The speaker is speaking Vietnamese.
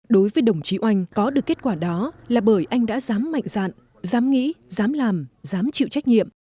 đối với đồng chí oanh có được kết quả đó là bởi anh đã dám mạnh dạn dám nghĩ dám làm dám chịu trách nhiệm